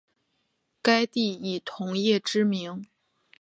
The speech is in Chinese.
该地以铜业知名。